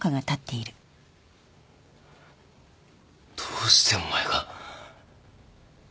どうしてお前が